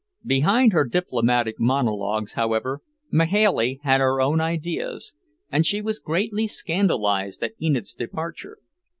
Behind her diplomatic monologues, however, Mahailey had her own ideas, and she was greatly scandalized at Enid's departure.